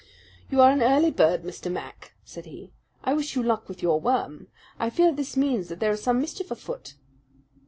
"You are an early bird, Mr. Mac," said he. "I wish you luck with your worm. I fear this means that there is some mischief afoot."